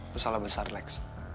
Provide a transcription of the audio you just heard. lo salah besar lex